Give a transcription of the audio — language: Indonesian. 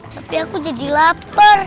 tapi aku jadi lapar